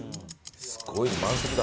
すごい満席だ。